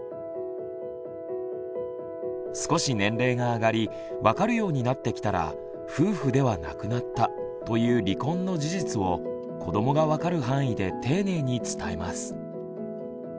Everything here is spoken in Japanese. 少し年齢が上がり分かるようになってきたら「夫婦ではなくなった」という離婚の事実を子どもが分かる範囲で丁寧に伝えます。